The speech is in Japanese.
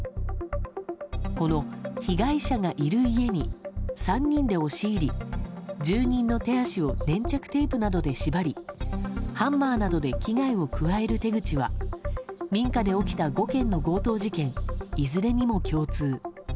この、被害者がいる家に３人で押し入り住人の手足を粘着テープなどで縛りハンマーなどで危害を加える手口は民家で起きた５件の強盗事件いずれにも共通。